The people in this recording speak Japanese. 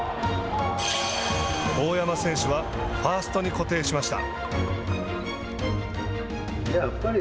大山選手はファーストに固定しました。